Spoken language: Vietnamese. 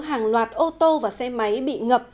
hàng loạt ô tô và xe máy bị ngập